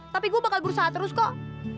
tapi gue bakal berusaha terus kok